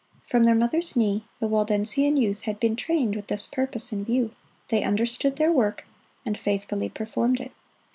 From their mother's knee the Waldensian youth had been trained with this purpose in view; they understood their work, and faithfully performed it.